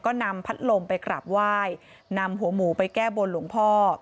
ก็นำพัดลมไปกราบไหว้นำหัวหมูไปแก้บนหลวงพ่อ